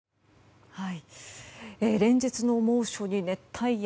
連日の猛暑に熱帯夜。